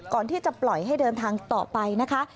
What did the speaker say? ก่อนที่จะปล่อยให้เดินทางต่อไปนะคะ